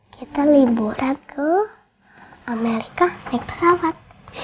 kita liburan ke amerika naik pesawat